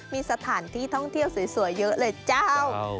มีสถานที่ท่องเที่ยวสวยเยอะเลยเจ้า